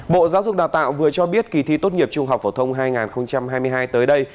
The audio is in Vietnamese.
bộ giáo dục đào tạo vừa cho biết kỳ thi tốt nghiệp trung học phổ thông hai nghìn hai mươi hai tới đây